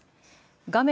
画面